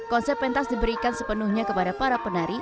konsep pentas diberikan sepenuhnya kepada para penari